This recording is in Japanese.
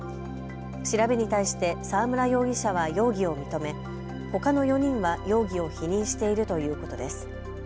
調べに対して澤村容疑者は容疑を認め、ほかの４人は容疑を否認しているということです。